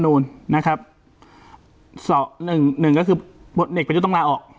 นุนนะครับสรพลมหนึ่งหนึ่งก็คือเน็กเป็นต้องลาออก